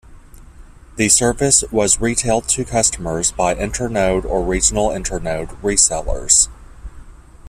The service was retailed to customers by Internode and regional Internode resellers.